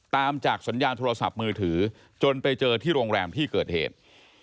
ตามจากสัญญาณโทรศัพท์มือถือจนไปเจอที่โรงแรมที่เกิดเหตุ